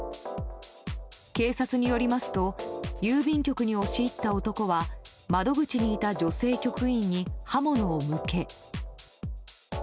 警察によりますと郵便局に押し入った男は窓口にいた女性局員に刃物を向け。